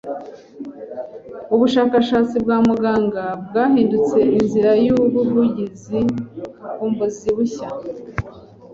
Ubushakashatsi bwa muganga bwahinduye inzira yubuvumbuzi bushya.